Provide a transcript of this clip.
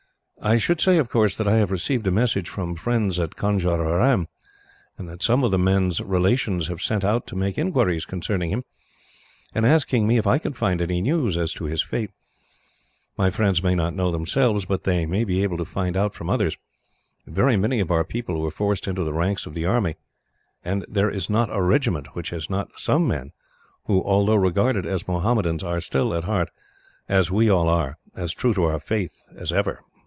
I should say, of course, that I have received a message from friends at Conjeveram; that some of the man's relations have sent out to make inquiries concerning him, and asking me if I can find any news as to his fate. My friends may not know themselves, but they may be able to find out from others. Very many of our people were forced into the ranks of the army, and there is not a regiment which has not some men who, although regarded as Mohammedans, are still at heart, as we all are, as true to our faith as ever.